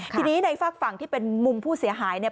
ทีนี้ในฝากฝั่งที่เป็นมุมผู้เสียหายเนี่ย